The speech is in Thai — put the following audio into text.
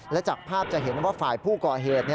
และจากภาพจะเห็นว่าฝ่ายผู้ก่อเหตุ